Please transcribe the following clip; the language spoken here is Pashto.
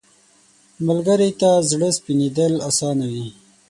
ملګری ته زړه سپینېدل اسانه وي